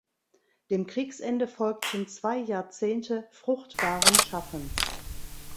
Dem Kriegsende folgten zwei Jahrzehnte fruchtbaren Schaffens.